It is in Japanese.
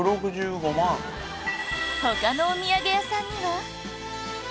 他のお土産屋さんには